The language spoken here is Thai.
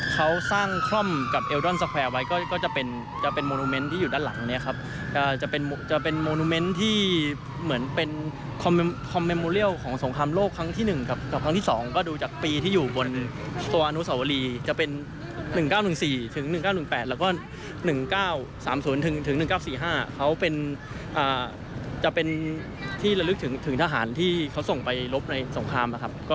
เขาเป็นที่ระลึกถึงทหารที่เขาส่งไปลบในสงคราม